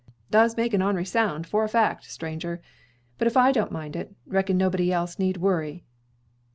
Does make an or'nery sound for a fact, stranger; but if I don't mind it, reckon nobody else need worry."